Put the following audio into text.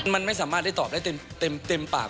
มันไม่สามารถได้ตอบได้เต็มปาก